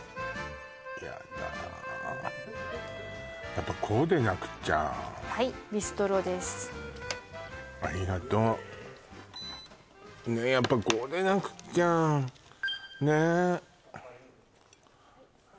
ヤダやっぱこうでなくっちゃはいビストロですありがとうねえやっぱこうでなくっちゃねえ